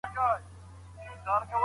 ایا واړه پلورونکي وچه مېوه صادروي؟